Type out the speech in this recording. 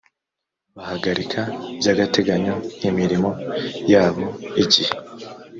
bahagarika by’agateganyo imirimo yabo igihe